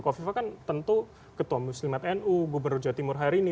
kofifa kan tentu ketua muslimat nu gubernur jawa timur hari ini